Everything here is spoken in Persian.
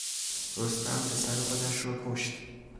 رستم پسر خودش را کشت.